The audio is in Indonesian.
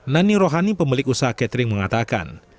nani rohani pemilik usaha catering mengatakan